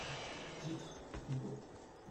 Titres et Coupons.